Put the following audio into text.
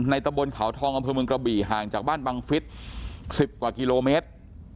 ในตะบนเขาทองกำพื้นมือกระบี้ห่างจากบ้านบังฤทธิ์สิบกว่ากิโลเมตร